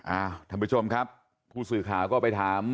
ท่านผู้ชมครับผู้สื่อข่าวก็ไปถาม